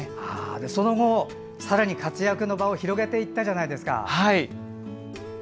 その後、さらに活躍の場を広げていったじゃないですか。